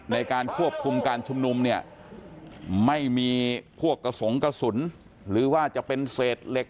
ในการควบคุมการชุมนุมเนี่ยไม่มีพวกกระสงกระสุนหรือว่าจะเป็นเศษเหล็ก